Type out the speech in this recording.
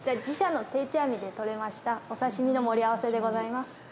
自社の定置網で取れましたお刺身の盛り合わせでございます。